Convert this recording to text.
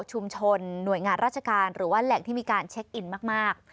หน่วยงานราชการหรือว่าแหล่งที่มีการเช็คอินมาก